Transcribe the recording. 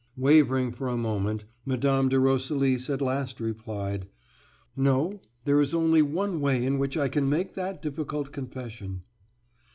Wavering for a moment, Mme. de Roselis at last replied: "No, there is only one way in which I can make that difficult confession."